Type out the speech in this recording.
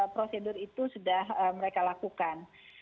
prosedur itu sudah mereka lakukan